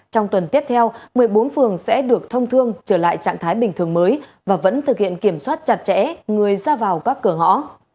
trong tuần tiếp theo một mươi bốn phường sẽ được thông thương trở lại trạng thái bình thường mới và vẫn thực hiện kiểm soát chặt chẽ người ra vào các cửa ngõ